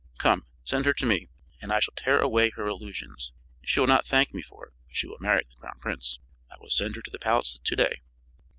Come, send her to me, and I shall tear away her illusions. She will not thank me for it, but she will marry the crown prince." "I will send her to the palace to day."